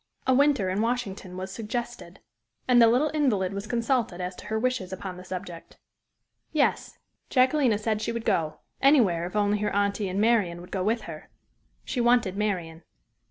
A winter in Washington was suggested. And the little invalid was consulted as to her wishes upon the subject. "Yes," Jacquelina said she would go anywhere, if only her aunty and Marian would go with her she wanted Marian.